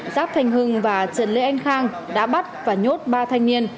giáp thành hưng và trần lê anh khang đã bắt và nhốt ba thanh niên